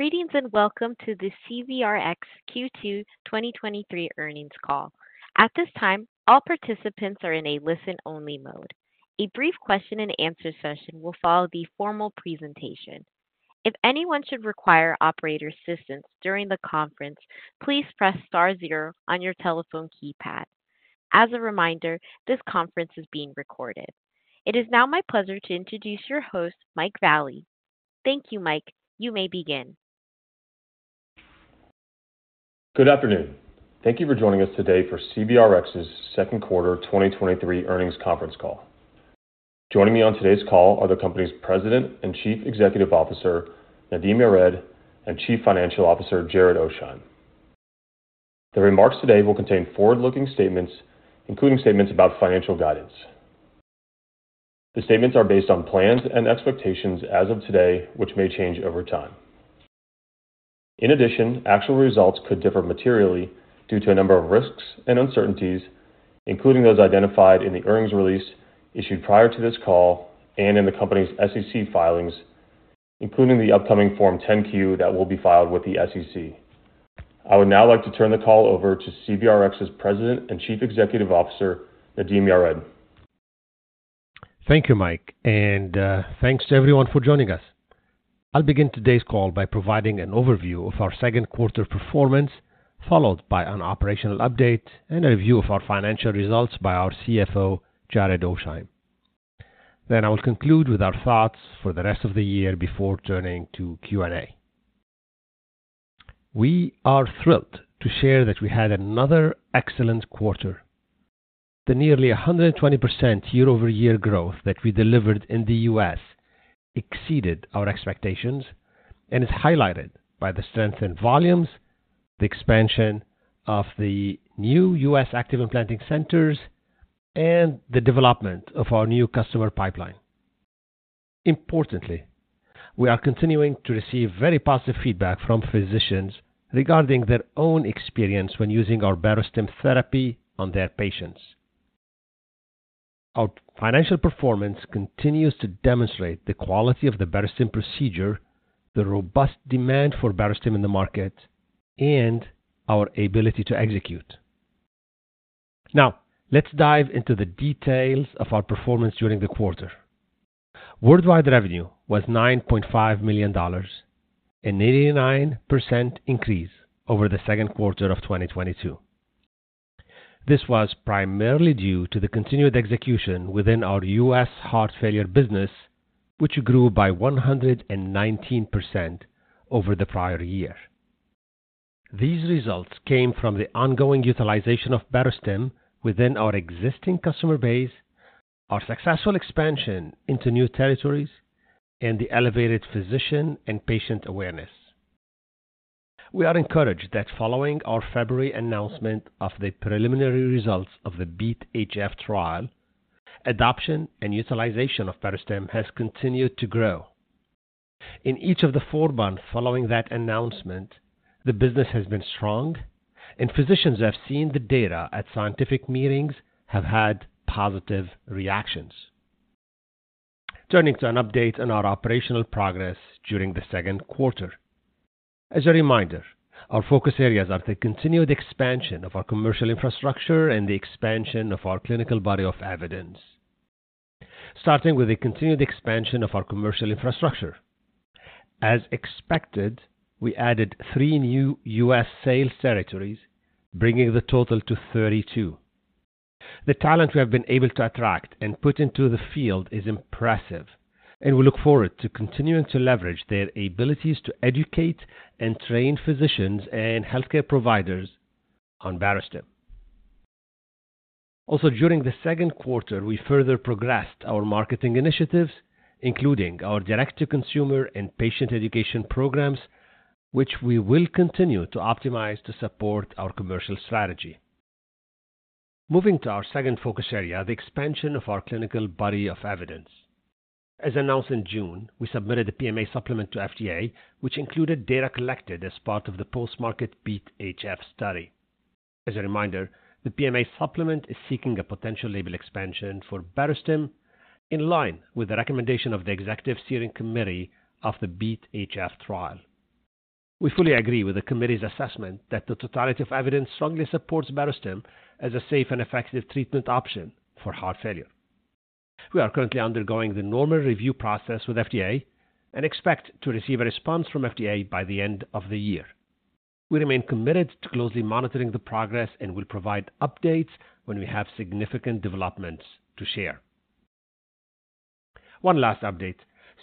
Greetings, welcome to the CVRx Q2 2023 earnings call. At this time, all participants are in a listen-only mode. A brief question and answer session will follow the formal presentation. If anyone should require operator assistance during the conference, please press star 0 on your telephone keypad. As a reminder, this conference is being recorded. It is now my pleasure to introduce your host, Mike Vallie. Thank you, Mike. You may begin. Good afternoon. Thank you for joining us today for CVRx's Q2 2023 earnings conference call. Joining me on today's call are the company's President and Chief Executive Officer, Nadim Yared, and Chief Financial Officer, Jared Oasheim. The remarks today will contain forward-looking statements, including statements about financial guidance. The statements are based on plans and expectations as of today, which may change over time. Actual results could differ materially due to a number of risks and uncertainties, including those identified in the earnings release issued prior to this call and in the company's SEC filings, including the upcoming Form 10-Q that will be filed with the SEC. I would now like to turn the call over to CVRx's President and Chief Executive Officer, Nadim Yared. Thank you, Mike, and thanks to everyone for joining us. I'll begin today's call by providing an overview of our Q2 performance, followed by an operational update and a review of our financial results by our CFO, Jared Oasheim. I will conclude with our thoughts for the rest of the year before turning to Q&A. We are thrilled to share that we had another excellent quarter. The nearly 120% year-over-year growth that we delivered in the US exceeded our expectations and is highlighted by the strength in volumes, the expansion of the new US active implanting centers, and the development of our new customer pipeline. Importantly, we are continuing to receive very positive feedback from physicians regarding their own experience when using our Barostim therapy on their patients. Our financial performance continues to demonstrate the quality of the Barostim procedure, the robust demand for Barostim in the market, and our ability to execute. Let's dive into the details of our performance during the quarter. Worldwide revenue was $9.5 million, an 89% increase over the Q2 of 2022. This was primarily due to the continued execution within our US heart failure business, which grew by 119% over the prior year. These results came from the ongoing utilization of Barostim within our existing customer base, our successful expansion into new territories, and the elevated physician and patient awareness. We are encouraged that following our February announcement of the preliminary results of the BeAT-HF trial, adoption and utilization of Barostim has continued to grow. In each of the 4 months following that announcement, the business has been strong, and physicians who have seen the data at scientific meetings have had positive reactions. Turning to an update on our operational progress during the Q2. As a reminder, our focus areas are the continued expansion of our commercial infrastructure and the expansion of our clinical body of evidence. Starting with the continued expansion of our commercial infrastructure. As expected, we added 3 new US sales territories, bringing the total to 32. The talent we have been able to attract and put into the field is impressive, and we look forward to continuing to leverage their abilities to educate and train physicians and healthcare providers on Barostim. During the Q2, we further progressed our marketing initiatives, including our direct-to-consumer and patient education programs, which we will continue to optimize to support our commercial strategy. Moving to our second focus area, the expansion of our clinical body of evidence. As announced in June, we submitted a PMA supplement to FDA, which included data collected as part of the post-market BeAT-HF study. As a reminder, the PMA supplement is seeking a potential label expansion for Barostim, in line with the recommendation of the Executive Steering Committee of the BeAT-HF trial. We fully agree with the committee's assessment that the totality of evidence strongly supports Barostim as a safe and effective treatment option for heart failure. We are currently undergoing the normal review process with FDA and expect to receive a response from FDA by the end of the year. We remain committed to closely monitoring the progress and will provide updates when we have significant developments to share. One last update.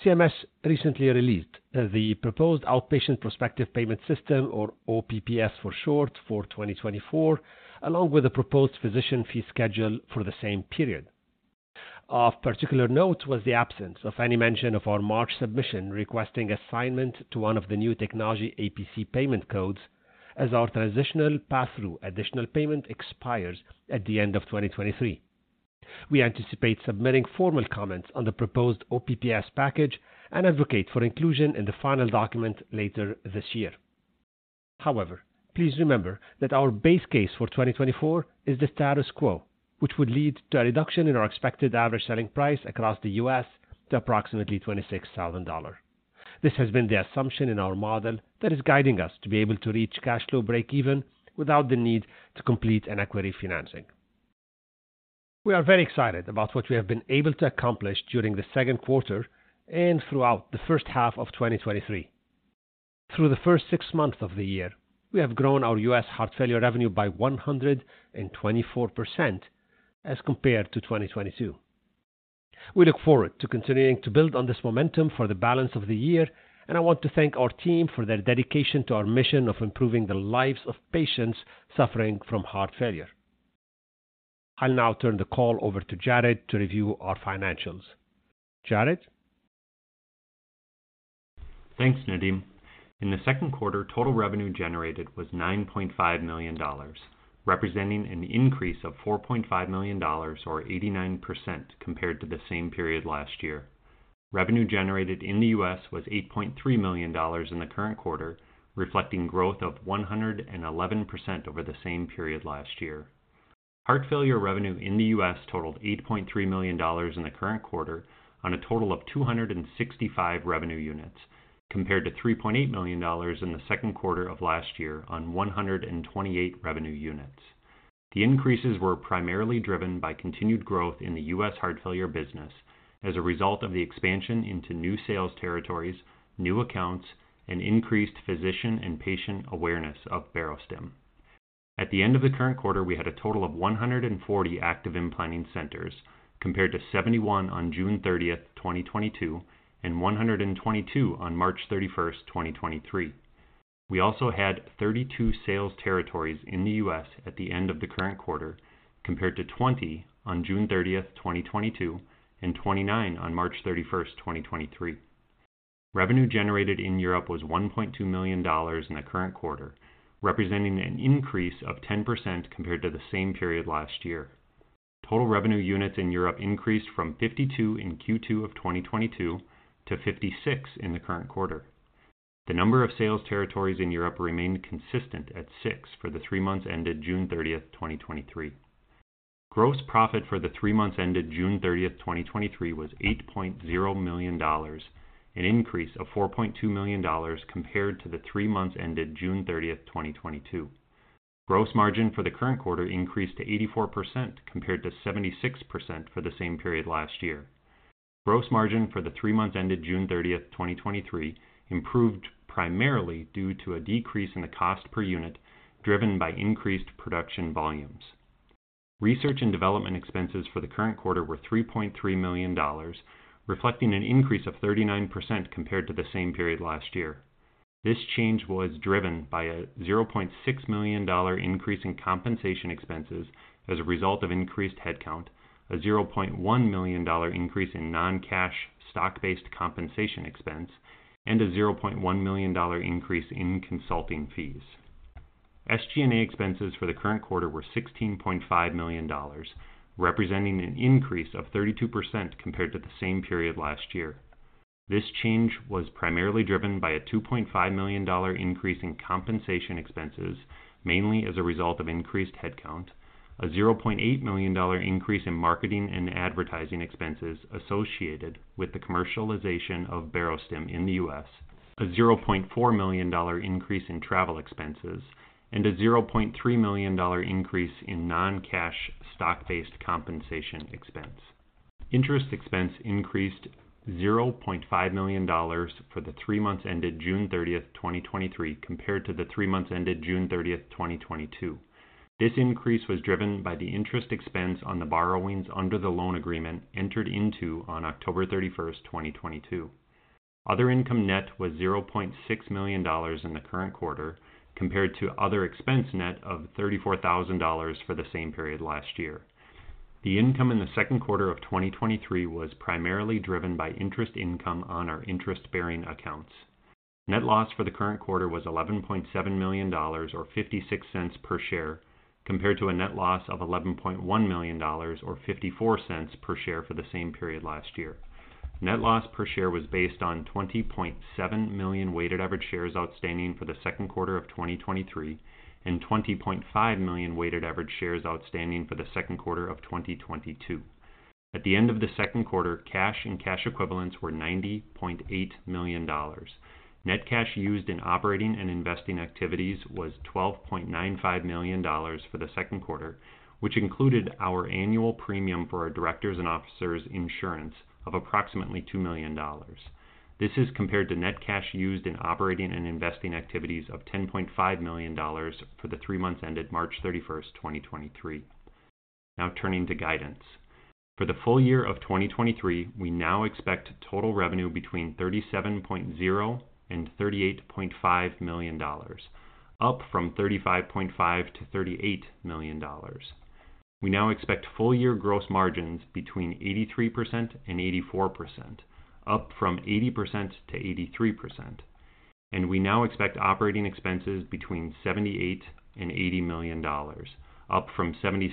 CMS recently released the proposed Outpatient Prospective Payment System, or OPPS for short, for 2024, along with a proposed Physician Fee Schedule for the same period. Of particular note was the absence of any mention of our March submission requesting assignment to one of the New Technology APC payment codes, as our transitional pass-through additional payment expires at the end of 2023. We anticipate submitting formal comments on the proposed OPPS package and advocate for inclusion in the final document later this year. Please remember that our base case for 2024 is the status quo, which would lead to a reduction in our expected average selling price across the US to approximately $26,000. This has been the assumption in our model that is guiding us to be able to reach cash flow breakeven without the need to complete an equity financing. We are very excited about what we have been able to accomplish during the Q2 and throughout the first half of 2023. Through the first six months of the year, we have grown our US heart failure revenue by 124% as compared to 2022. I want to thank our team for their dedication to our mission of improving the lives of patients suffering from heart failure. I'll now turn the call over to Jared to review our financials. Jared? Thanks, Nadim. In the Q2, total revenue generated was $9.5 million, representing an increase of $4.5 million or 89% compared to the same period last year. Revenue generated in the US was $8.3 million in the current quarter, reflecting growth of 111% over the same period last year. Heart failure revenue in the US totaled $8.3 million in the current quarter on a total of 265 revenue units, compared to $3.8 million in the Q2 of last year on 128 revenue units. The increases were primarily driven by continued growth in the US heart failure business as a result of the expansion into new sales territories, new accounts, and increased physician and patient awareness of Barostim. At the end of the current quarter, we had a total of 140 active implanting centers, compared to 71 on 30 June 2022, and 122 on 31 March 2023. We also had 32 sales territories in the US at the end of the current quarter, compared to 20 on 30 June 2022, and 29 on 31 March 2023. Revenue generated in Europe was $1.2 million in the current quarter, representing an increase of 10% compared to the same period last year. Total revenue units in Europe increased from 52 in Q2 of 2022 to 56 in the current quarter. The number of sales territories in Europe remained consistent at 6 for the three months ended 30 June 2023. Gross profit for the three months ended 30 June 2023, was $8.0 million, an increase of $4.2 million compared to the three months ended 30 June 2022. Gross margin for the current quarter increased to 84%, compared to 76% for the same period last year. Gross margin for the three months ended 30 June 2023, improved primarily due to a decrease in the cost per unit, driven by increased production volumes. Research and development expenses for the current quarter were $3.3 million, reflecting an increase of 39% compared to the same period last year. This change was driven by a $0.6 million increase in compensation expenses as a result of increased headcount, a $0.1 million increase in non-cash stock-based compensation expense, and a $0.1 million increase in consulting fees. SG&A expenses for the current quarter were $16.5 million, representing an increase of 32% compared to the same period last year. This change was primarily driven by a $2.5 million increase in compensation expenses, mainly as a result of increased headcount, a $0.8 million increase in marketing and advertising expenses associated with the commercialization of Barostim in the US, a $0.4 million increase in travel expenses, and a $0.3 million increase in non-cash stock-based compensation expense. Interest expense increased $0.5 million for the three months ended June thirtieth, 2023, compared to the three months ended June thirtieth, 2022. This increase was driven by the interest expense on the borrowings under the loan agreement entered into on 31 October, 2022. Other income net was $0.6 million in the current quarter, compared to other expense net of $34,000 for the same period last year. The income in the Q2 of 2023 was primarily driven by interest income on our interest-bearing accounts. Net loss for the current quarter was $11.7 million, or $0.56 per share, compared to a net loss of $11.1 million, or $0.54 per share, for the same period last year. Net loss per share was based on 20.7 million weighted average shares outstanding for the Q2 of 2023 and 20.5 million weighted average shares outstanding for the Q2 of 2022. At the end of the Q2, cash and cash equivalents were $90.8 million. Net cash used in operating and investing activities was $12.95 million for the Q2, which included our annual premium for our directors' and officers' insurance of approximately $2 million. This is compared to net cash used in operating and investing activities of $10.5 million for the three months ended 31 March 2023. Turning to guidance. For the full year of 2023, we now expect total revenue between $37.0 and 38.5 million, up from $35.5 to 38 million. We now expect full year gross margins between 83% and 84%, up from 80% to 83%. We now expect operating expenses between $78 and 80 million, up from $76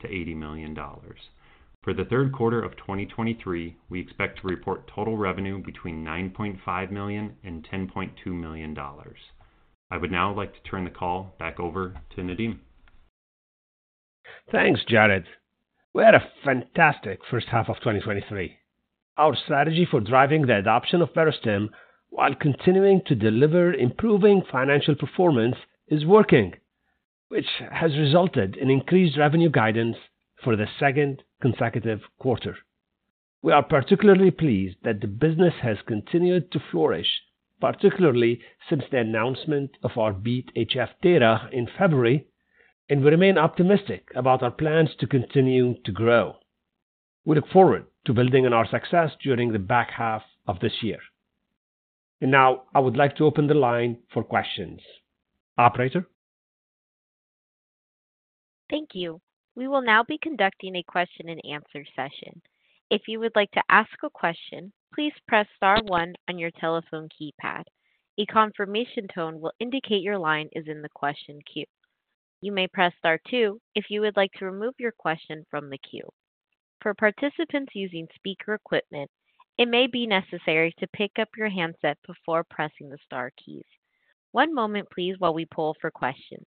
to 80 million. For the Q3 of 2023, we expect to report total revenue between $9.5 and 10.2 million. I would now like to turn the call back over to Nadim. Thanks, Jared. We had a fantastic first half of 2023. Our strategy for driving the adoption of Barostim while continuing to deliver improving financial performance is working, which has resulted in increased revenue guidance for the second consecutive quarter. We are particularly pleased that the business has continued to flourish, particularly since the announcement of our BeAT-HF data in February, and we remain optimistic about our plans to continue to grow. We look forward to building on our success during the back half of this year. Now I would like to open the line for questions. Operator? Thank you. We will now be conducting a question and answer session. If you would like to ask a question, please press star one on your telephone keypad. A confirmation tone will indicate your line is in the question queue. You may press star two if you would like to remove your question from the queue. For participants using speaker equipment, it may be necessary to pick up your handset before pressing the star keys. One moment, please, while we pull for questions.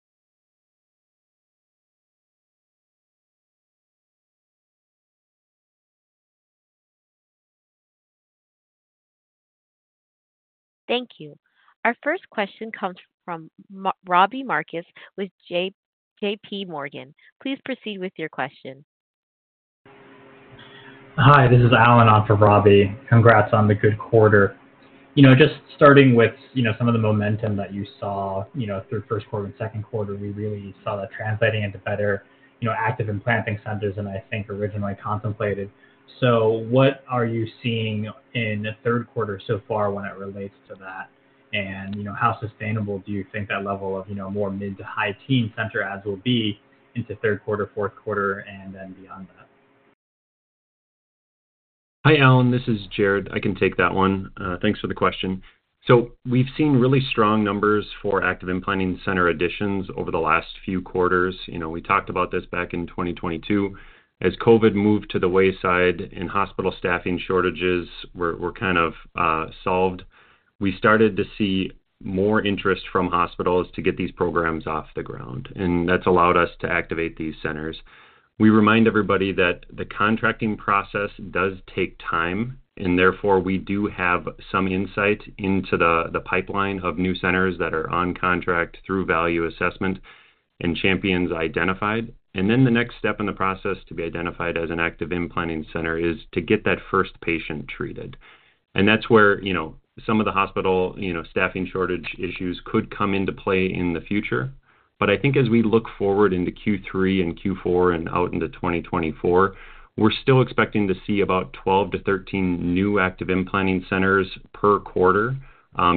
Thank you. Our first question comes from Robbie Marcus with JPMorgan. Please proceed with your question. Hi, this is Alan, on for Robbie. Congrats on the good quarter. You know, just starting with, you know, some of the momentum that you saw, you know, through Q1 and Q2, we really saw that translating into better, you know, active implanting centers than I think originally contemplated. What are you seeing in the Q3 so far when it relates to that? You know, how sustainable do you think that level of, you know, more mid to high teen center adds will be into Q3, Q4, and then beyond that? Hi, Alan, this is Jared. I can take that one. Thanks for the question. We've seen really strong numbers for active implanting center additions over the last few quarters. You know, we talked about this back in 2022. As COVID moved to the wayside and hospital staffing shortages were kind of solved, we started to see more interest from hospitals to get these programs off the ground, and that's allowed us to activate these centers. We remind everybody that the contracting process does take time, and therefore, we do have some insight into the pipeline of new centers that are on contract through value assessment and champions identified. The next step in the process to be identified as an active implanting center is to get that first patient treated. That's where, you know, some of the hospital, you know, staffing shortage issues could come into play in the future. I think as we look forward into Q3 and Q4 and out into 2024, we're still expecting to see about 12 to 13 new active implanting centers per quarter,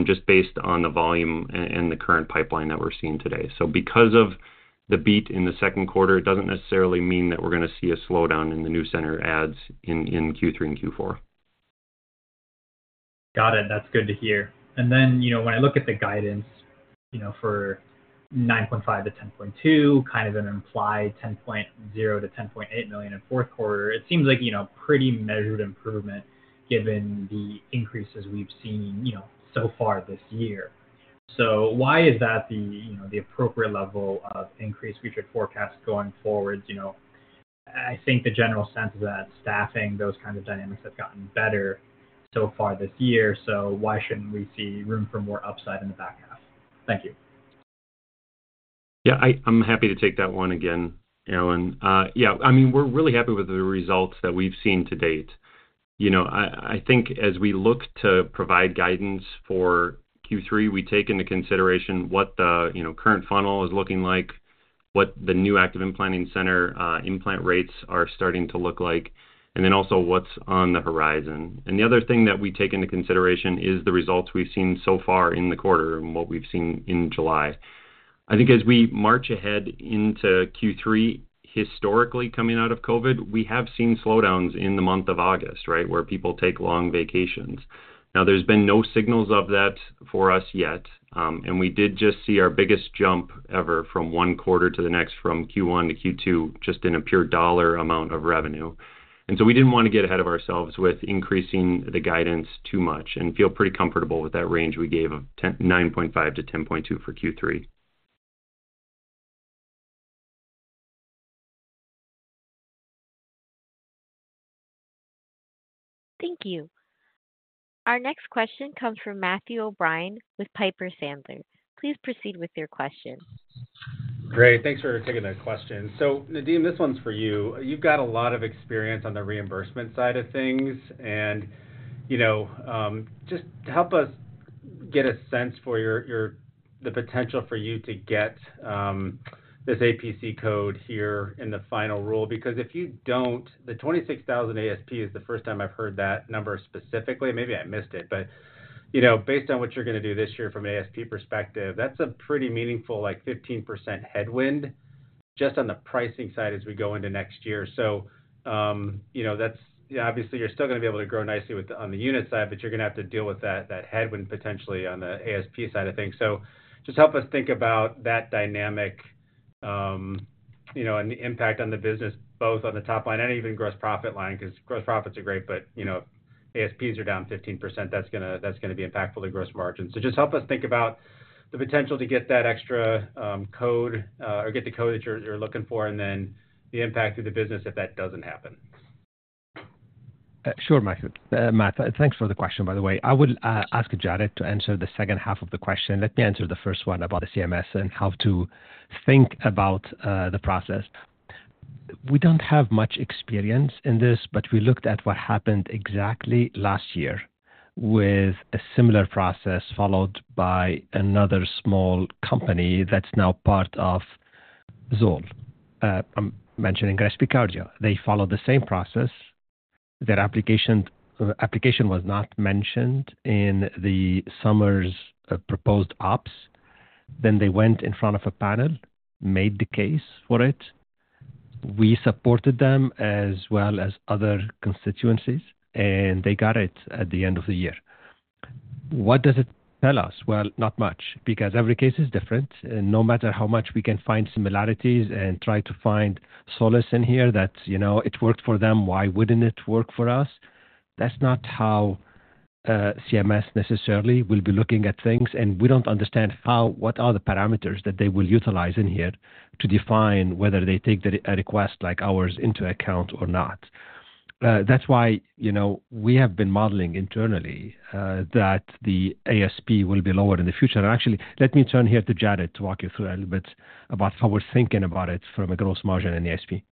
just based on the volume and the current pipeline that we're seeing today. Because of the beat in the Q2, it doesn't necessarily mean that we're going to see a slowdown in the new center adds in Q3 and Q4. Got it. That's good to hear. Then, you know, when I look at the guidance, you know, for $9.5 to 10.2 million, kind of an implied $10.0 to 10.8 million in Q4, it seems like, you know, pretty measured improvement given the increases we've seen, you know, so far this year. Why is that the, you know, the appropriate level of increased future forecast going forward? You know, I think the general sense is that staffing, those kind of dynamics have gotten better so far this year, so why shouldn't we see room for more upside in the back half? Thank you. Yeah, I'm happy to take that one again, Alan. Yeah, I mean, we're really happy with the results that we've seen to date. You know, I think as we look to provide guidance for Q3, we take into consideration what the, you know, current funnel is looking like, what the new active implanting center, implant rates are starting to look like, and then also what's on the horizon. The other thing that we take into consideration is the results we've seen so far in the quarter and what we've seen in July. I think as we march ahead into Q3, historically, coming out of COVID, we have seen slowdowns in the month of August, right? Where people take long vacations. There's been no signals of that for us yet, and we did just see our biggest jump ever from 1 quarter to the next, from Q1 to Q2, just in a pure dollar amount of revenue. We didn't want to get ahead of ourselves with increasing the guidance too much and feel pretty comfortable with that range we gave of $9.5 to 10.2 million for Q3. Thank you. Our next question comes from Matthew O'Brien with Piper Sandler. Please proceed with your question. Great. Thanks for taking the question. Nadim, this one's for you. You've got a lot of experience on the reimbursement side of things, just help us get a sense for the potential for you to get this APC code here in the final rule. If you don't, the $26,000 ASP is the first time I've heard that number specifically. Maybe I missed it, based on what you're going to do this year from an ASP perspective, that's a pretty meaningful, like, 15% headwind just on the pricing side as we go into next year. Obviously, you're still going to be able to grow nicely with the, on the unit side, but you're going to have to deal with that headwind potentially on the ASP side of things. Just help us think about that dynamic, you know, and the impact on the business, both on the top line and even gross profit line, 'cause gross profits are great, but, you know, ASPs are down 15%, that's gonna be impactful to gross margins. Just help us think about the potential to get that extra code, or get the code that you're looking for, and then the impact to the business if that doesn't happen. Sure, Michael. Matt, thanks for the question, by the way. I would ask Jared to answer the second half of the question. Let me answer the first one about the CMS and how to think about the process. We don't have much experience in this, but we looked at what happened exactly last year with a similar process, followed by another small company that's now part of Zoll. I'm mentioning Respicardia. They followed the same process. Their application was not mentioned in the summer's proposed OPPS. They went in front of a panel, made the case for it. We supported them as well as other constituencies. They got it at the end of the year. What does it tell us? Well, not much, because every case is different. No matter how much we can find similarities and try to find solace in here, that, you know, it worked for them, why wouldn't it work for us? That's not how CMS necessarily will be looking at things, and we don't understand what are the parameters that they will utilize in here to define whether they take a request like ours into account or not. That's why, you know, we have been modeling internally that the ASP will be lower in the future. Actually, let me turn here to Jared to walk you through a little bit about how we're thinking about it from a Gross margin and ASP.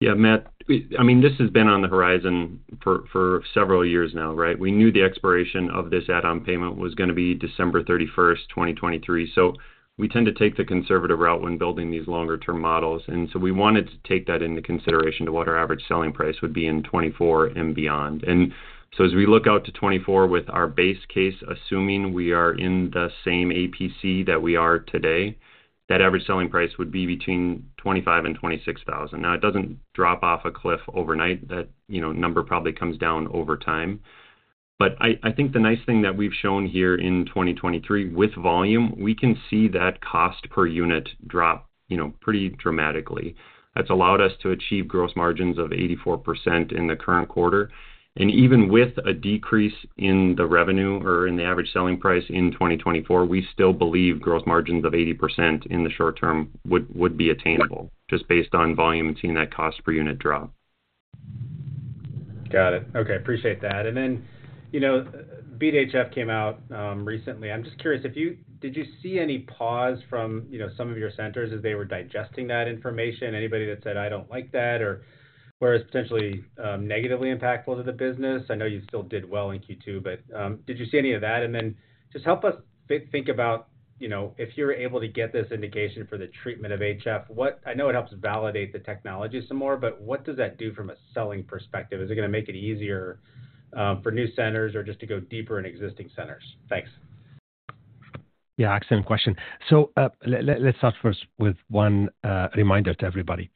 Yeah, Matt, I mean, this has been on the horizon for several years now, right? We knew the expiration of this add-on payment was gonna be 31 December 2023. We tend to take the conservative route when building these longer term models, we wanted to take that into consideration to what our average selling price would be in 2024 and beyond. As we look out to 2024 with our base case, assuming we are in the same APC that we are today, that average selling price would be between $25,000 to 26,000. Now, it doesn't drop off a cliff overnight. That, you know, number probably comes down over time. But I think the nice thing that we've shown here in 2023, with volume, we can see that cost per unit drop, you know, pretty dramatically. That's allowed us to achieve gross margins of 84% in the current quarter. Even with a decrease in the revenue or in the average selling price in 2024, we still believe gross margins of 80% in the short term would be attainable, just based on volume and seeing that cost per unit drop. Got it. Okay, appreciate that. You know, BeAT-HF came out recently. I'm just curious, did you see any pause from, you know, some of your centers as they were digesting that information? Anybody that said, "I don't like that," or where it's potentially negatively impactful to the business? I know you still did well in Q2, but did you see any of that? Just help us think about, you know, if you're able to get this indication for the treatment of HF, what... I know it helps validate the technology some more, but what does that do from a selling perspective? Is it gonna make it easier for new centers or just to go deeper in existing centers? Thanks. Yeah, excellent question. Let's start first with one reminder to everybody.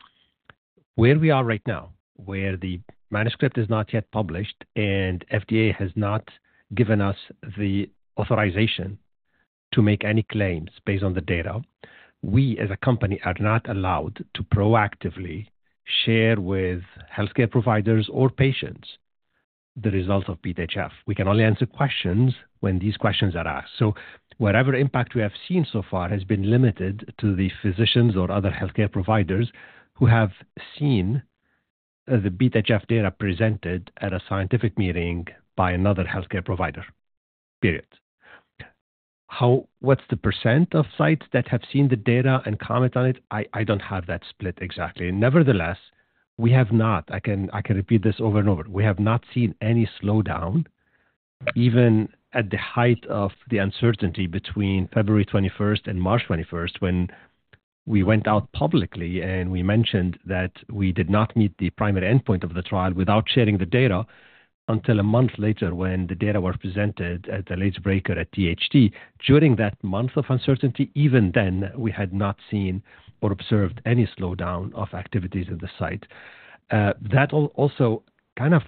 Where we are right now, where the manuscript is not yet published and FDA has not given us the authorization to make any claims based on the data, we, as a company, are not allowed to proactively share with healthcare providers or patients the results of BeAT-HF. We can only answer questions when these questions are asked. Whatever impact we have seen so far has been limited to the physicians or other healthcare providers who have seen the BeAT-HF data presented at a scientific meeting by another healthcare provider, period. What's the percent of sites that have seen the data and comment on it? I don't have that split exactly. Nevertheless, we have not. I can repeat this over and over. We have not seen any slowdown, even at the height of the uncertainty between 21 February and 21 March, when we went out publicly and we mentioned that we did not meet the primary endpoint of the trial without sharing the data until a month later, when the data were presented at the late breaker at THT. During that month of uncertainty, even then, we had not seen or observed any slowdown of activities of the site. That also kind of,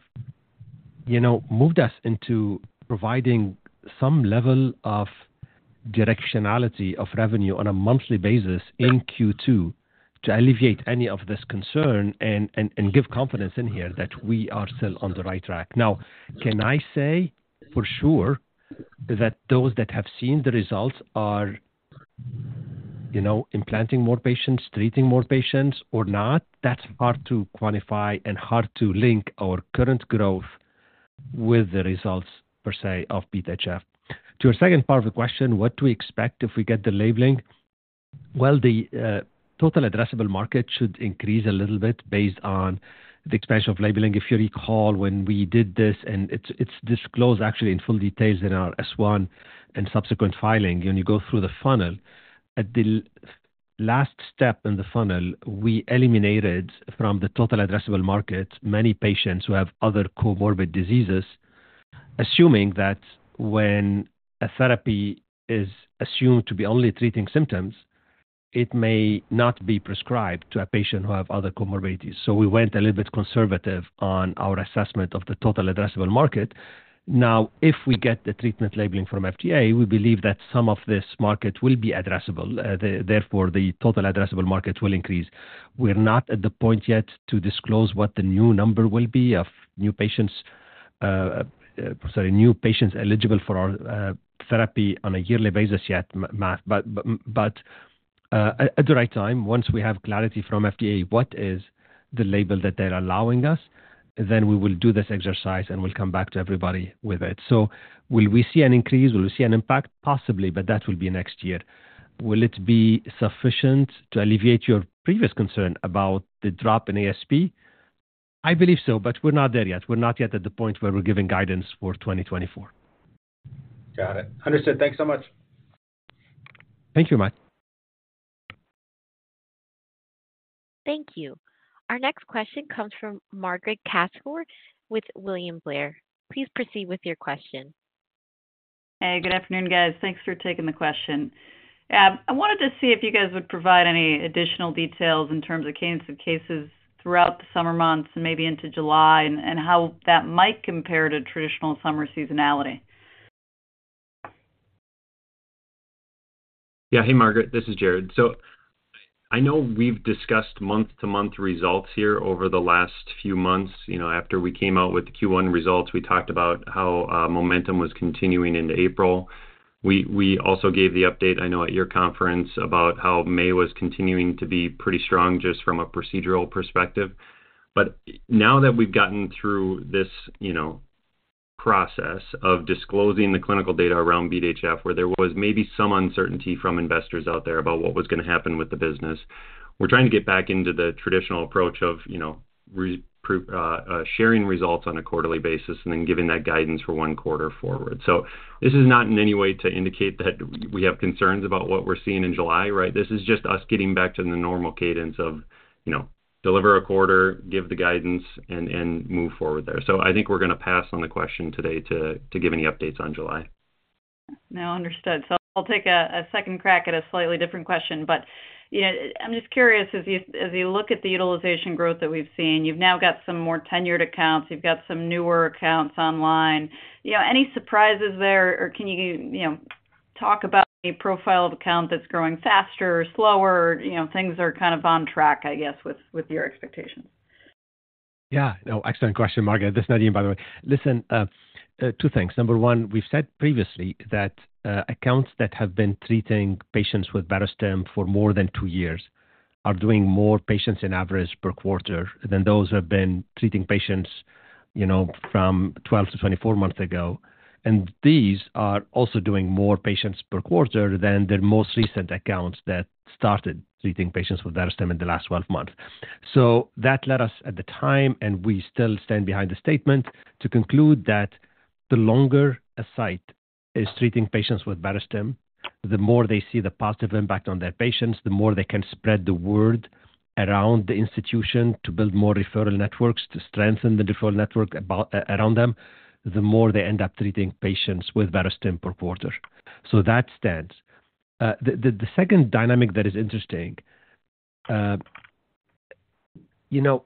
you know, moved us into providing some level of directionality of revenue on a monthly basis in Q2 to alleviate any of this concern and give confidence in here that we are still on the right track. Now, can I say for sure that those that have seen the results are, you know, implanting more patients, treating more patients, or not? That's hard to quantify and hard to link our current growth with the results, per se, of BeAT-HF. To a second part of the question, what do we expect if we get the labeling? Well, the total addressable market should increase a little bit based on the expansion of labeling. If you recall, when we did this, and it's disclosed actually in full details in our S one and subsequent filing, when you go through the funnel, at the last step in the funnel, we eliminated from the total addressable market many patients who have other comorbid diseases, assuming that when a therapy is assumed to be only treating symptoms, it may not be prescribed to a patient who have other comorbidities. We went a little bit conservative on our assessment of the total addressable market. If we get the treatment labeling from FDA, we believe that some of this market will be addressable. Therefore, the total addressable market will increase. We're not at the point yet to disclose what the new number will be of new patients, sorry, new patients eligible for our therapy on a yearly basis yet, Matt, but at the right time, once we have clarity from FDA, what is the label that they're allowing us, then we will do this exercise, and we'll come back to everybody with it. Will we see an increase? Will we see an impact? Possibly, but that will be next year. Will it be sufficient to alleviate your previous concern about the drop in ASP? I believe so, but we're not there yet. We're not yet at the point where we're giving guidance for 2024. Got it. Understood. Thanks so much. Thank you, Matt. Thank you. Our next question comes from Margaret Kaczor with William Blair. Please proceed with your question. Good afternoon, guys. Thanks for taking the question. I wanted to see if you guys would provide any additional details in terms of cadence of cases throughout the summer months and maybe into July, and how that might compare to traditional summer seasonality. Hey, Margaret, this is Jared. I know we've discussed month-to-month results here over the last few months. You know, after we came out with the Q1 results, we talked about how momentum was continuing into April. We also gave the update, I know, at your conference, about how May was continuing to be pretty strong just from a procedural perspective. Now that we've gotten through this, you know, process of disclosing the clinical data around BeAT-HF, where there was maybe some uncertainty from investors out there about what was gonna happen with the business, we're trying to get back into the traditional approach of, you know, sharing results on a quarterly basis and then giving that guidance for one quarter forward. This is not in any way to indicate that we have concerns about what we're seeing in July, right? This is just us getting back to the normal cadence of, you know, deliver a quarter, give the guidance, and move forward there. I think we're gonna pass on the question today to give any updates on July. Understood. I'll take a second crack at a slightly different question. You know, I'm just curious, as you look at the utilization growth that we've seen, you've now got some more tenured accounts, you've got some newer accounts online. You know, any surprises there, or can you know, talk about a profiled account that's growing faster or slower? You know, things are kind of on track, I guess, with your expectations. Yeah. No, excellent question, Margaret. This is Nadim, by the way. Listen, two things. Number one, we've said previously that accounts that have been treating patients with Barostim for more than two years are doing more patients in average per quarter than those who have been treating patients, you know, from 12-24 months ago. These are also doing more patients per quarter than the most recent accounts that started treating patients with Barostim in the last 12 months. That led us at the time, and we still stand behind the statement, to conclude that the longer a site is treating patients with Barostim, the more they see the positive impact on their patients, the more they can spread the word around the institution to build more referral networks, to strengthen the referral network about, around them, the more they end up treating patients with Barostim per quarter. That stands. The second dynamic that is interesting, you know,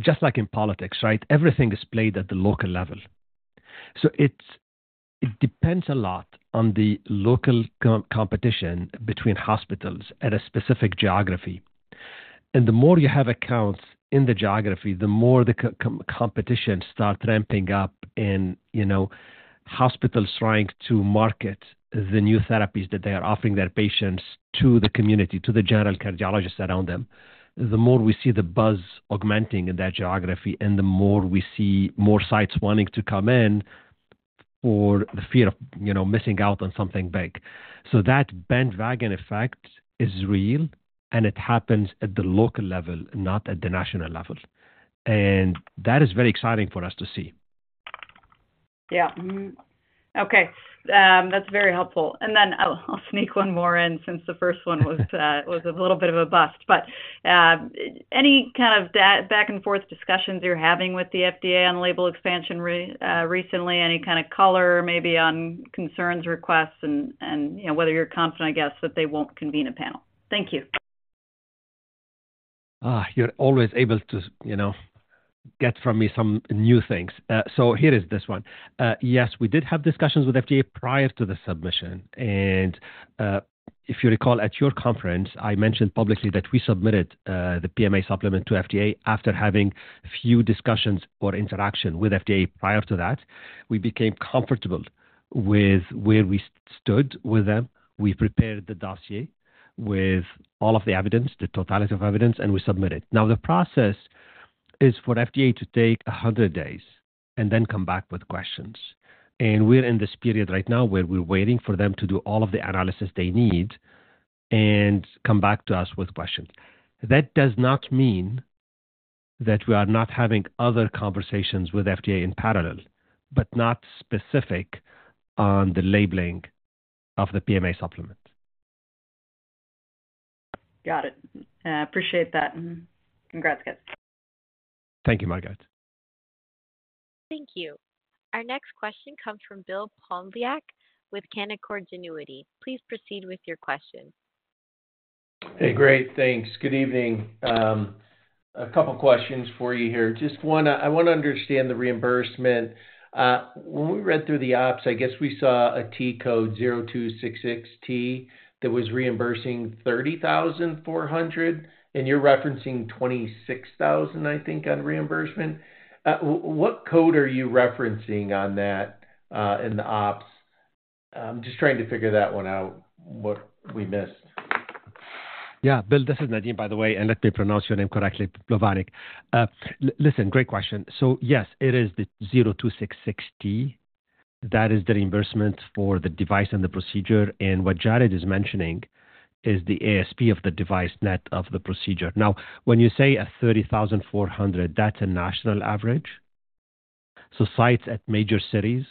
just like in politics, right, everything is played at the local level. It depends a lot on the local competition between hospitals at a specific geography. The more you have accounts in the geography, the more the competition start ramping up and, you know, hospitals trying to market the new therapies that they are offering their patients to the community, to the general cardiologists around them, the more we see the buzz augmenting in that geography, and the more we see more sites wanting to come in for the fear of, you know, missing out on something big. That bandwagon effect is real, and it happens at the local level, not at the national level. That is very exciting for us to see. Yeah. Okay, that's very helpful. I'll sneak 1 more in since the first one was a little bit of a bust. any kind of back-and-forth discussions you're having with the FDA on label expansion recently, any kind of color maybe on concerns, requests and, you know, whether you're confident, I guess, that they won't convene a panel? Thank you. You're always able to, you know, get from me some new things. So here is this one. Yes, we did have discussions with FDA prior to the submission. If you recall, at your conference, I mentioned publicly that we submitted the PMA supplement to FDA after having a few discussions or interaction with FDA prior to that. We became comfortable with where we stood with them. We prepared the dossier with all of the evidence, the totality of evidence, and we submitted. Now, the process is for FDA to take 100 days and then come back with questions. We're in this period right now where we're waiting for them to do all of the analysis they need and come back to us with questions. That does not mean that we are not having other conversations with FDA in parallel, but not specific on the labeling of the PMA supplement. Got it. I appreciate that. Congrats, guys. Thank you, Margaret. Thank you. Our next question comes from Bill Plovanic with Canaccord Genuity. Please proceed with your question. Hey, great. Thanks. Good evening. A couple questions for you here. I wanna understand the reimbursement. When we read through the OPPS, I guess we saw a T code 0266T that was reimbursing $30,400, and you're referencing $26,000, I think, on reimbursement. What code are you referencing on that in the OPPS? I'm just trying to figure that one out, what we missed. Yeah. Bill, this is Nadim, by the way, and let me pronounce your name correctly, Polviak. listen, great question. Yes, it is the 0266 T. That is the reimbursement for the device and the procedure, and what Jared is mentioning is the ASP of the device, net of the procedure. When you say a $30,400, that's a national average. Sites at major cities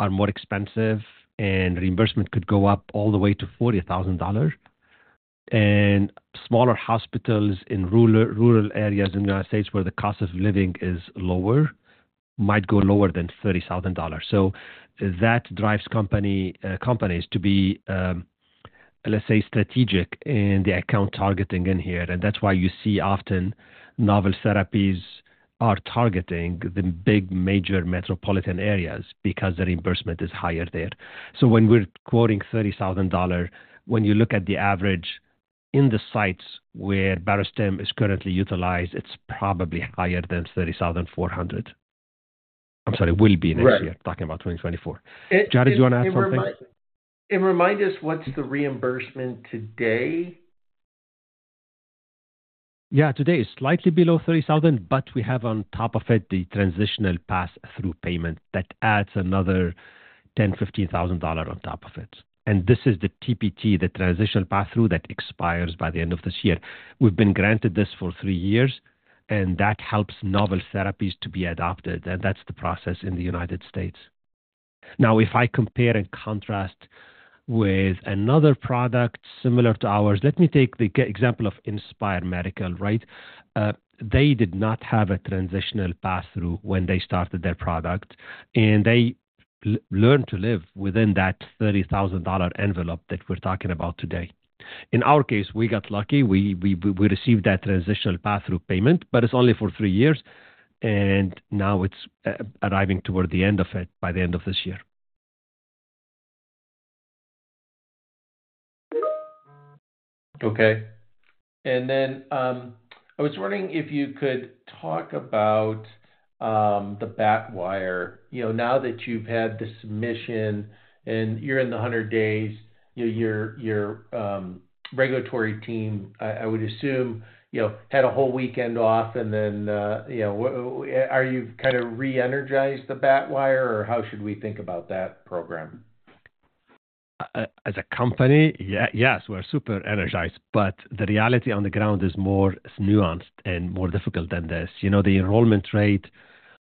are more expensive, and reimbursement could go up all the way to $40,000. Smaller hospitals in rural areas in the United States, where the cost of living is lower, might go lower than $30,000. That drives company companies to be, let's say, strategic in the account targeting in here. That's why you see often novel therapies are targeting the big major metropolitan areas because the reimbursement is higher there. When we're quoting $30,000, when you look at the average in the sites where Barostim is currently utilized, it's probably higher than $30,400. I'm sorry, will be next year. Right. Talking about 2024. Jared, do you wanna add something? Remind us what's the reimbursement today? Yeah. Today, it's slightly below $30,000, but we have on top of it the transitional pass-through payment. That adds another $10,000 to 15,000 on top of it. This is the TPT, the transitional pass-through, that expires by the end of this year. We've been granted this for 3 years, and that helps novel therapies to be adopted, and that's the process in the United States. If I compare and contrast with another product similar to ours, let me take the example of Inspire Medical, right? They did not have a transitional pass-through when they started their product, and they learned to live within that $30,000 dollar envelope that we're talking about today. In our case, we got lucky. We received that transitional pass-through payment, but it's only for three years, and now it's arriving toward the end of it, by the end of this year. Okay. I was wondering if you could talk about the BATwire. You know, now that you've had the submission and you're in the 100 days, your regulatory team, I would assume, you know, had a whole weekend off and then, you know, are you kind of re-energized the BATwire, or how should we think about that program? As a company, yes, we're super energized, but the reality on the ground is more nuanced and more difficult than this. You know, the enrollment rate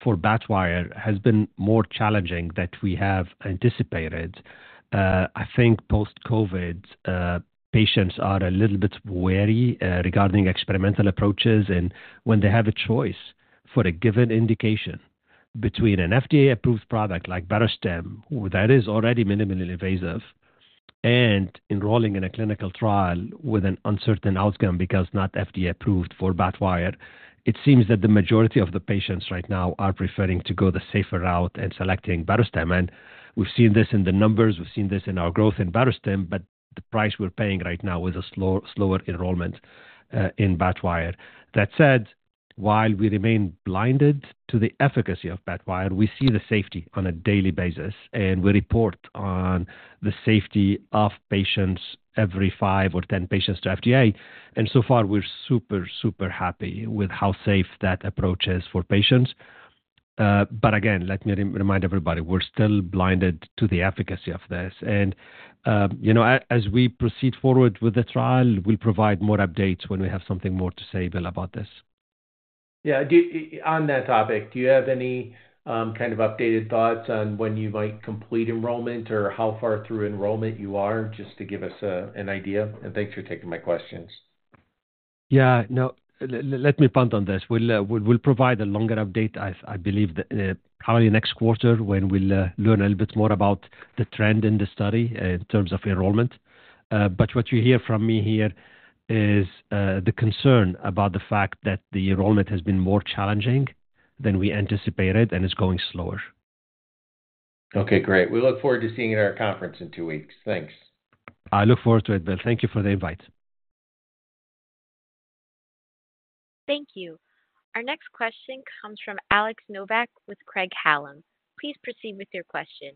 for BATwire has been more challenging than we have anticipated. I think post-COVID, patients are a little bit wary regarding experimental approaches. When they have a choice for a given indication between an FDA-approved product like Barostim, that is already minimally invasive, and enrolling in a clinical trial with an uncertain outcome because not FDA approved for BATwire, it seems that the majority of the patients right now are preferring to go the safer route and selecting Barostim. We've seen this in the numbers, we've seen this in our growth in Barostim, but the price we're paying right now is a slower enrollment in BATwire. That said, while we remain blinded to the efficacy of Barostim, we see the safety on a daily basis, we report on the safety of patients every five or 10 patients to FDA, so far, we're super happy with how safe that approach is for patients. Again, let me remind everybody, we're still blinded to the efficacy of this. You know, as we proceed forward with the trial, we'll provide more updates when we have something more to say, Bill, about this. Yeah. On that topic, do you have any kind of updated thoughts on when you might complete enrollment or how far through enrollment you are, just to give us an idea? Thanks for taking my questions. Yeah. No, let me punt on this. We'll provide a longer update, I believe, probably next quarter when we'll learn a little bit more about the trend in the study in terms of enrollment. What you hear from me here is the concern about the fact that the enrollment has been more challenging than we anticipated and is going slower. Okay, great. We look forward to seeing you at our conference in two weeks. Thanks. I look forward to it, Bill. Thank you for the invite. Thank you. Our next question comes from Alex Novak with Craig-Hallum. Please proceed with your question.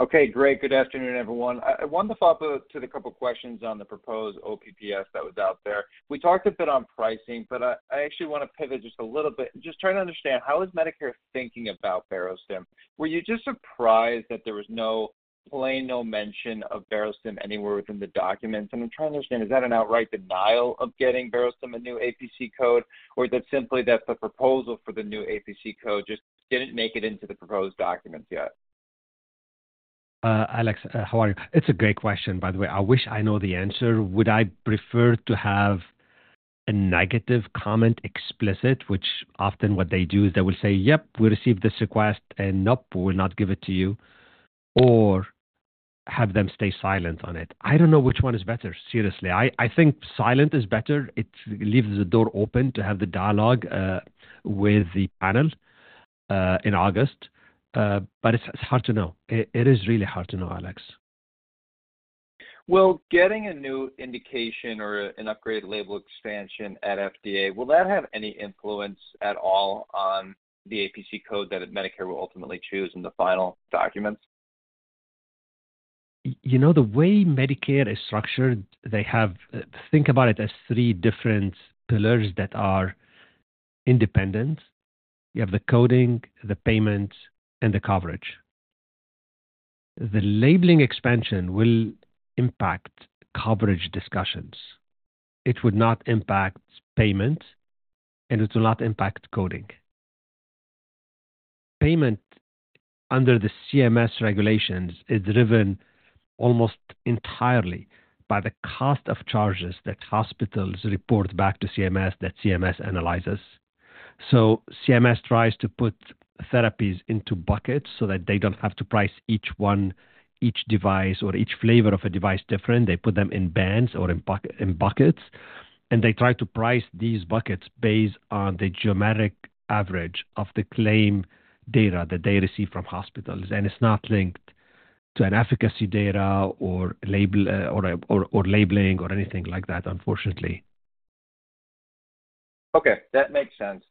Okay, great. Good afternoon, everyone. I wanted to follow up to the couple of questions on the proposed OPPS that was out there. We talked a bit on pricing, but I actually wanna pivot just a little bit. Just trying to understand, how is Medicare thinking about Barostim? Were you just surprised that there was no plain, no mention of Barostim anywhere within the documents? I'm trying to understand, is that an outright denial of getting Barostim a new APC code, or that simply that the proposal for the new APC code just didn't make it into the proposed documents yet?... Alex, how are you? It's a great question, by the way. I wish I know the answer. Would I prefer to have a negative comment explicit? Often what they do is they will say: "Yep, we received this request, and nope, we will not give it to you," or have them stay silent on it. I don't know which one is better, seriously. I think silent is better. It leaves the door open to have the dialogue with the panel in August. It's hard to know. It is really hard to know, Alex. Well, getting a new indication or an upgraded label expansion at FDA, will that have any influence at all on the APC code that Medicare will ultimately choose in the final documents? You know, the way Medicare is structured, they have Think about it as three different pillars that are independent. You have the coding, the payment, and the coverage. The labeling expansion will impact coverage discussions. It would not impact payment, and it will not impact coding. Payment under the CMS regulations is driven almost entirely by the cost of charges that hospitals report back to CMS, that CMS analyzes. CMS tries to put therapies into buckets so that they don't have to price each one, each device or each flavor of a device different. They put them in bands or in buckets, and they try to price these buckets based on the geometric average of the claim data that they receive from hospitals. It's not linked to an efficacy data or label or labeling or anything like that, unfortunately. Okay, that makes sense.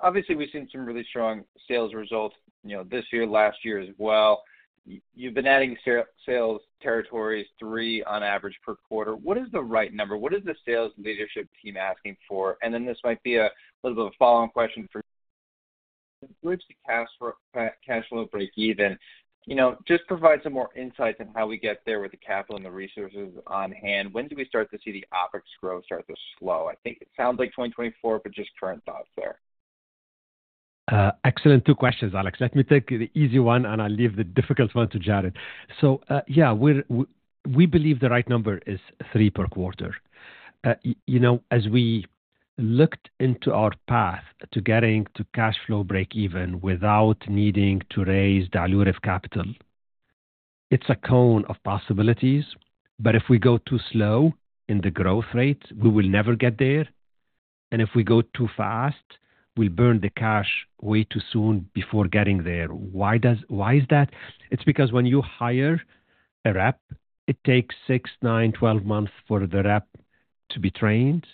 Obviously, we've seen some really strong sales results, you know, this year, last year as well. You've been adding sales territories, 3 on average per quarter. What is the right number? What is the sales leadership team asking for? This might be a little bit of a follow-on question for... Which the cash flow break even. You know, just provide some more insight on how we get there with the capital and the resources on hand. When do we start to see the OpEx growth start to slow? I think it sounds like 2024, just current thoughts there. Excellent 2 questions, Alex. Let me take the easy one, and I'll leave the difficult one to Jared. Yeah, we're, we believe the right number is 3 per quarter. You know, as we looked into our path to getting to cash flow break even without needing to raise dilutive capital, it's a cone of possibilities. If we go too slow in the growth rate, we will never get there, and if we go too fast, we burn the cash way too soon before getting there. Why is that? It's because when you hire a rep, it takes 6, 9, 12 months for the rep to be trained,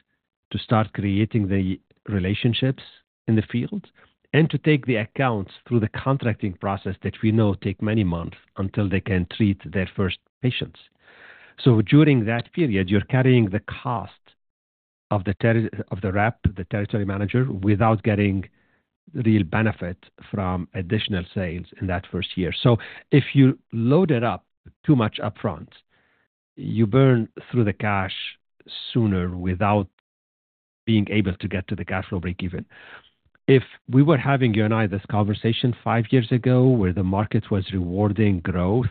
to start creating the relationships in the field, and to take the accounts through the contracting process, that we know take many months until they can treat their first patients. During that period, you're carrying the cost of the rep, the territory manager, without getting real benefit from additional sales in that first year. If you load it up too much upfront, you burn through the cash sooner without being able to get to the cash flow break even. If we were having you and I, this conversation five years ago, where the market was rewarding growth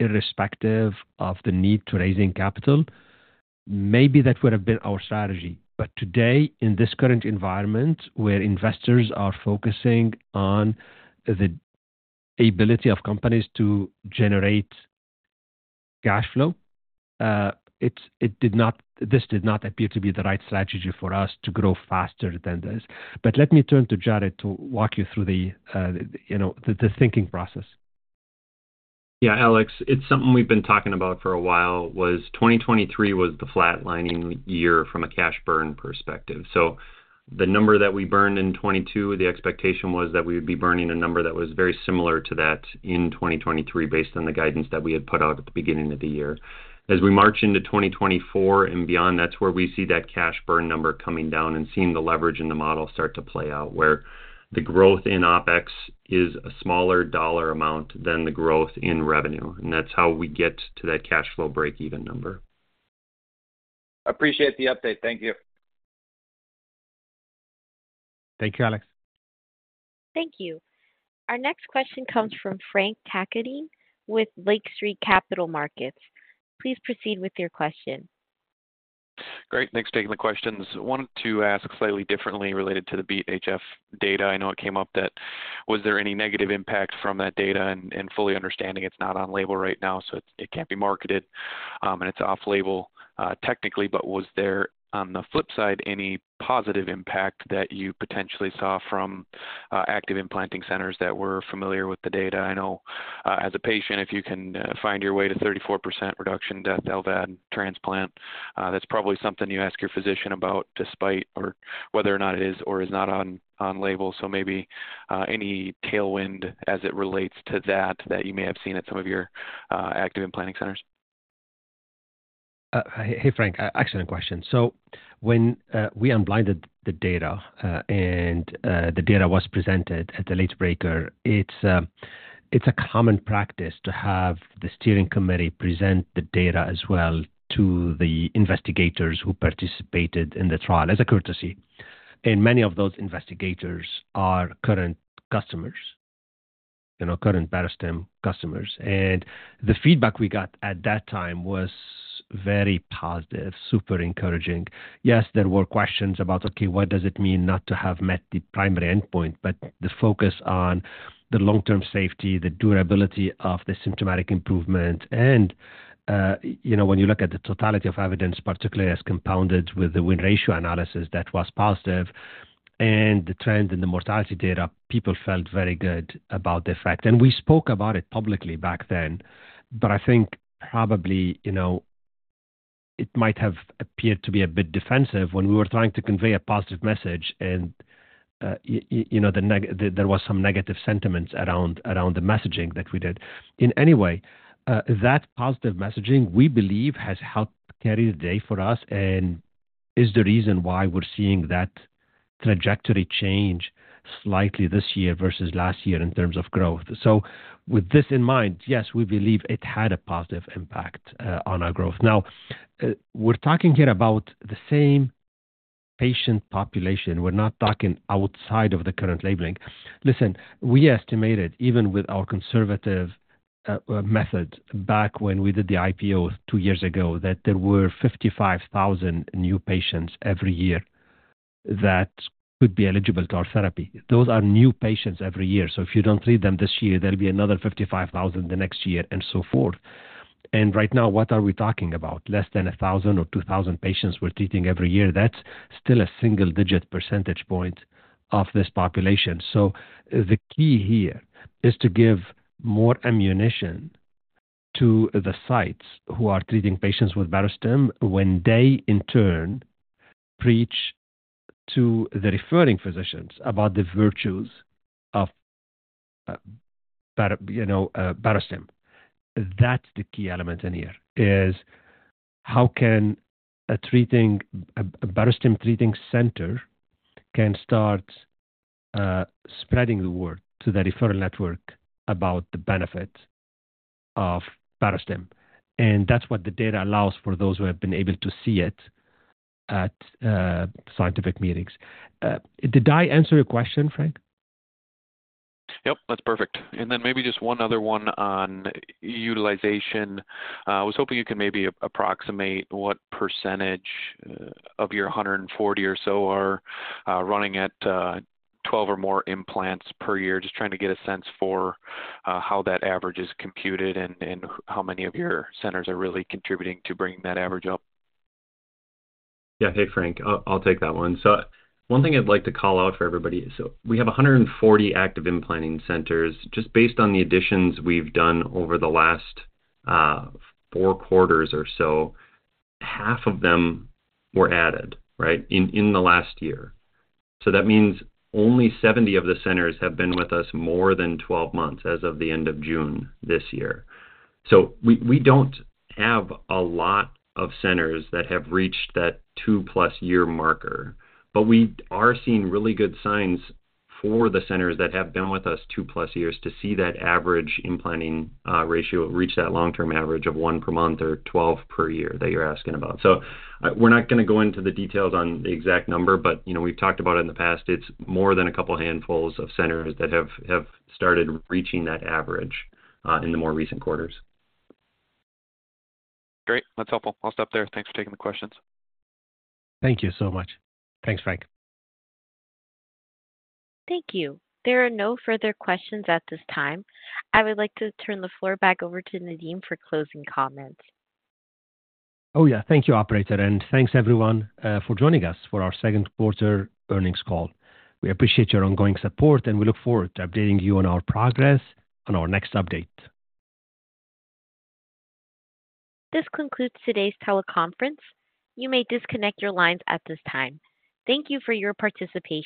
irrespective of the need to raising capital, maybe that would have been our strategy. Today, in this current environment, where investors are focusing on the ability of companies to generate cash flow, it did not appear to be the right strategy for us to grow faster than this. Let me turn to Jared to walk you through the, you know, thinking process. Yeah, Alex, it's something we've been talking about for a while, was 2023 was the flatlining year from a cash burn perspective. The number that we burned in 2022, the expectation was that we would be burning a number that was very similar to that in 2023, based on the guidance that we had put out at the beginning of the year. As we march into 2024 and beyond, that's where we see that cash burn number coming down and seeing the leverage in the model start to play out, where the growth in OpEx is a smaller dollar amount than the growth in revenue. That's how we get to that cash flow break-even number. Appreciate the update. Thank you. Thank you, Alex. Thank you. Our next question comes from Frank Takkinen with Lake Street Capital Markets. Please proceed with your question. Great. Thanks for taking the questions. I wanted to ask slightly differently related to the BeAT-HF data. I know it came up that Was there any negative impact from that data? Fully understanding it's not on label right now, so it can't be marketed, and it's off-label technically. But was there, on the flip side, any positive impact that you potentially saw from active implanting centers that were familiar with the data? I know as a patient, if you can find your way to 34% reduction, death, LVAD transplant, that's probably something you ask your physician about, despite or whether or not it is or is not on label. Maybe any tailwind as it relates to that you may have seen at some of your active implanting centers? Hey, Frank, excellent question. When we unblinded the data, and the data was presented at the late breaker, it's a common practice to have the steering committee present the data as well to the investigators who participated in the trial as a courtesy. Many of those investigators are current customers, you know, current Barostim customers. The feedback we got at that time was very positive, super encouraging. Yes, there were questions about, okay, what does it mean not to have met the primary endpoint? The focus on the long-term safety, the durability of the symptomatic improvement, and, you know, when you look at the totality of evidence, particularly as compounded with the win ratio analysis, that was positive, and the trend in the mortality data, people felt very good about the fact. We spoke about it publicly back then, but I think probably, you know, it might have appeared to be a bit defensive when we were trying to convey a positive message and, you know, there was some negative sentiments around the messaging that we did. In any way, that positive messaging, we believe has helped carry the day for us and is the reason why we're seeing that trajectory change slightly this year versus last year in terms of growth. With this in mind, yes, we believe it had a positive impact on our growth. We're talking here about the same patient population. We're not talking outside of the current labeling. Listen, we estimated, even with our conservative method, back when we did the IPO 2 years ago, that there were 55,000 new patients every year that could be eligible to our therapy. Those are new patients every year. If you don't treat them this year, there'll be another 55,000 the next year, and so forth. Right now, what are we talking about? Less than 1,000 or 2,000 patients we're treating every year. That's still a single-digit percentage point of this population. The key here is to give more ammunition to the sites who are treating patients with Barostim when they, in turn, preach to the referring physicians about the virtues of, you know, Barostim. That's the key element in here, is how can a treating... A Barostim treating center can start spreading the word to the referral network about the benefit of Barostim, that's what the data allows for those who have been able to see it at scientific meetings. Did I answer your question, Frank? Yep, that's perfect. Maybe just one other one on utilization. I was hoping you could maybe approximate what % of your 140 or so are running at 12 or more implants per year. Just trying to get a sense for how that average is computed and how many of your centers are really contributing to bringing that average up. Yeah. Hey, Frank. I'll take that one. One thing I'd like to call out for everybody is, we have 140 active implanting centers. Just based on the additions we've done over the last 4 quarters or so, half of them were added, right? In the last year. That means only 70 of the centers have been with us more than 12 months as of the end of June this year. We don't have a lot of centers that have reached that two-plus year marker, but we are seeing really good signs for the centers that have been with us two-plus years to see that average implanting ratio reach that long-term average of 1 per month or 12 per year that you're asking about. We're not going to go into the details on the exact number, but, you know, we've talked about it in the past. It's more than a couple handfuls of centers that have started reaching that average in the more recent quarters. Great. That's helpful. I'll stop there. Thanks for taking the questions. Thank you so much. Thanks, Frank. Thank you. There are no further questions at this time. I would like to turn the floor back over to Nadim for closing comments. Oh, yeah. Thank you, operator, and thanks, everyone, for joining us for our Q2 earnings call. We appreciate your ongoing support, and we look forward to updating you on our progress on our next update. This concludes today's teleconference. You may disconnect your lines at this time. Thank you for your participation.